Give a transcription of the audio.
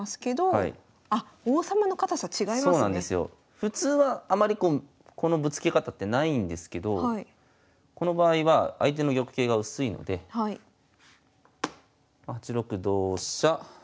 普通はあまりこうこのぶつけ方ってないんですけどこの場合は相手の玉形が薄いので８六同飛車